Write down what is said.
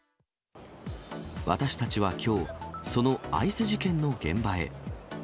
私たちはきょう、そのアイス事件の現場へ。